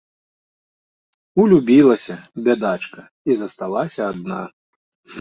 Улюбілася, бядачка, і засталася адна.